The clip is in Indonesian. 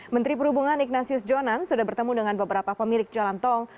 menteri perhubungan ignatius jonan sudah bertemu dengan beberapa pemilik jalan tol